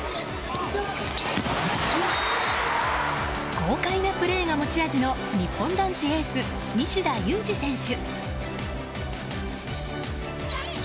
豪快なプレーが持ち味の日本男子エース、西田有志選手。